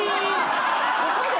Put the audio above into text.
ここで！？